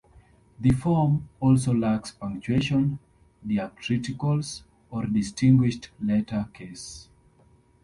The form also lacks punctuation, diacriticals, or distinguished letter case.